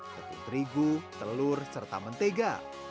tepung terigu telur serta mentega